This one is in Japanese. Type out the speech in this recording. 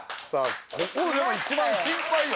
ここが一番心配よ